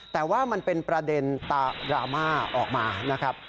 แต่ว่ามันเป็นประเด็นดราม่าออกมานะครับ